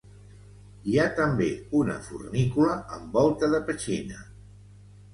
Hi ha també una fornícula amb volta de petxina.